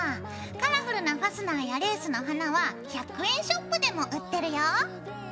カラフルなファスナーやレースの花は１００円ショップでも売ってるよ。